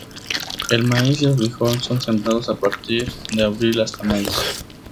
El maíz y el frijol son sembrados a partir de abril hasta mayo.